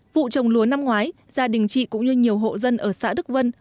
vụ trồng lúa năm ngoái gia đình chị cũng như nhiều hộ dân ở xã đức vân